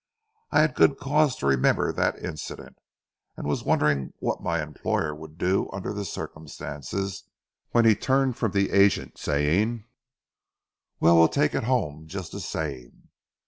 I had good cause to remember that incident, and was wondering what my employer would do under the circumstances, when he turned from the agent, saying:— "Well, we'll take it home just the same.